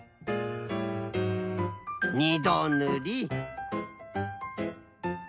２どぬり。